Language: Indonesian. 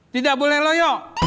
tidak boleh loyok